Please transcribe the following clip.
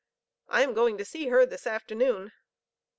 I am going to see her this afternoon.